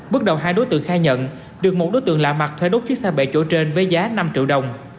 bước đầu hai đối tượng khai nhận được một đối tượng lạ mặt thuê đốt chiếc xe bệ chỗ trên với giá năm triệu đồng